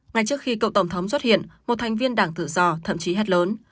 ngay trước khi cựu tổng thống xuất hiện một thành viên đảng tự do thậm chí hết lớn